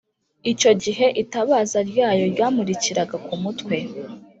Icyo gihe itabaza ryayo ryamurikiraga ku mutwe.